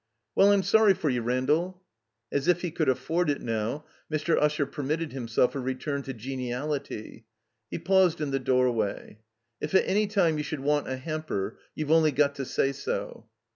''Well, I'm sorry for you, Randall." As if he could afford it now, Mr. Usher permitted himself a return to geniality. He paused in the doorway. "If at any time you should want a hamper, youVe only got to say so."